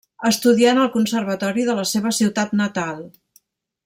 Estudià en el Conservatori de la seva ciutat natal.